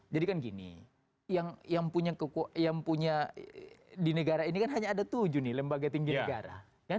jadi kan gini yang punya di negara ini kan hanya ada tujuh lembaga tinggi negara